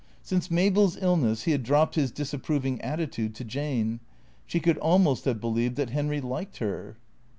Since Mabel's illness he had dropped his disapproving atti tude to Jane. She could almost have believed that Henry liked her.